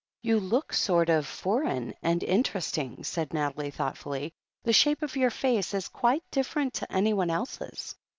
"You look sort of foreign, and interesting," said Nathalie thoughtfully. "The shape of your face is quite different to anyone else's."